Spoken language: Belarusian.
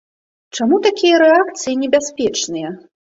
Чаму такія рэакцыі небяспечныя?